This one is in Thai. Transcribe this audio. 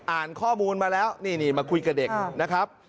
อ่านข้อมูลมาแล้วนี่มาคุยกับเด็กนะครับ